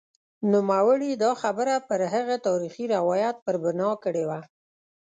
نوموړي دا خبره پر هغه تاریخي روایت پر بنا کړې وه.